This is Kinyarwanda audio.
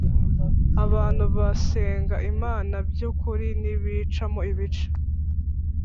Abantu basenga Imana by ukuri ntibicamo ibice